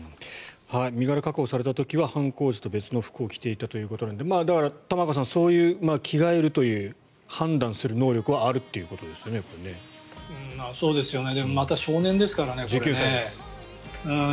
身柄確保された時は犯行時とは別の服を着ていたということなのでだから玉川さん、着替えるという判断をする能力はあるということですよね。